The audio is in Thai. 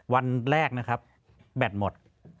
วันแรกนะครับแบตหมด